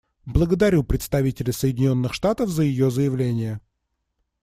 Благодарю представителя Соединенных Штатов за ее заявление.